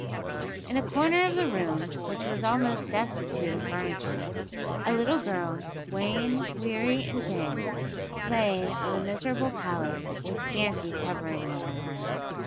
In a corner of the room, which was almost destitute of furniture, a little girl, wan, weary, and thin, lay on a miserable pallet, with scanty covering over her.